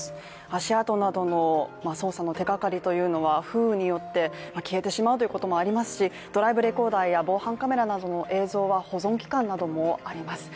足跡などの捜査の手がかりというのは、風雨によって消えてしまうということもありますしドライブレコーダーや防犯カメラなどの映像は保存期間などもあります。